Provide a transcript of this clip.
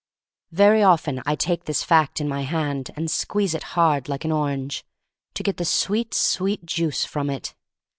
Very often I take this fact in my hand and squeeze it hard like an orange, to get the sweet, sweet juice from it.